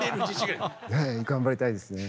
頑張りたいですね。